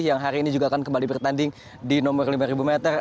yang hari ini juga akan kembali bertanding di nomor lima meter